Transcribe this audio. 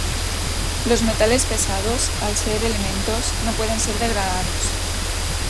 Los metales pesados, al ser elementos, no pueden ser degradados.